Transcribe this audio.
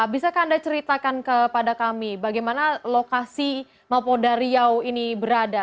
bisakah anda ceritakan kepada kami bagaimana lokasi mapolda riau ini berada